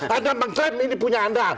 anda mengklaim ini punya anda